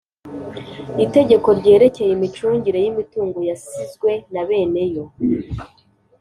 Itegeko ryerekeye imicungire y imitungo yasizwe na bene yo